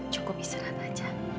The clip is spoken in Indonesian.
cukup istirahat aja